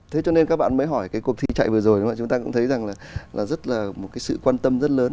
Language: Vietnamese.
thế cho nên các bạn mới hỏi cái cuộc thi chạy vừa rồi đúng vậy chúng ta cũng thấy rằng là rất là một cái sự quan tâm rất lớn